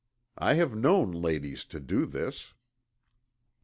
I have known ladies to do this."